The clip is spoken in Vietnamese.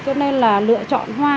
cho nên là lựa chọn hoa